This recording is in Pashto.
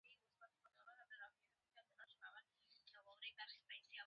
شپېته کاله وروسته د الزایمر په اړه څېړنې پيل شوې وې.